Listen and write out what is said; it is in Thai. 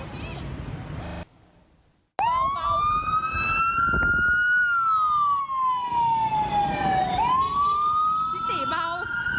พิธีเบา